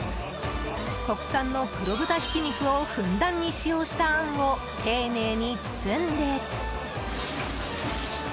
国産の黒豚ひき肉をふんだんに使用したあんを丁寧に包んで。